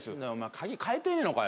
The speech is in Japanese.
鍵かえてねえのかよ